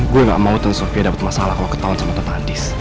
gue gak mau tante sofia dapet masalah kalau ketahuan sama tante andis